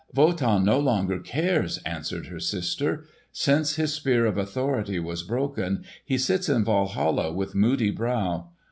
"Wotan no longer cares," answered her sister. "Since his Spear of Authority was broken he sits in Walhalla with moody brow.